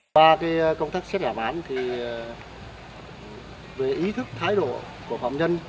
và công tác xét giảm án thì về ý thức thái độ của phạm nhân